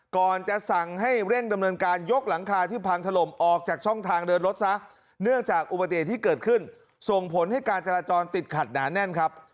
ก่อนจะสั่งให้เร่งดำเนินการยกหลังคาที่พังถล่มออกจากช่องทางเดินรถซะเนื่องจากอุบัติเหตุที่เกิดขึ้นส่งผลให้การจราจรติดขัดหนาแน่นครับ